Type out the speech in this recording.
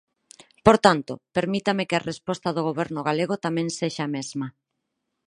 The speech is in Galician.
Por tanto, permítanme que a resposta do Goberno galego tamén sexa a mesma.